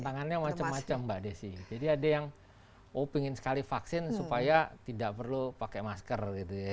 tantangannya macam macam mbak desi jadi ada yang oh pengen sekali vaksin supaya tidak perlu pakai masker gitu ya